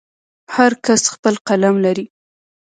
هر کس خپل قلم لري.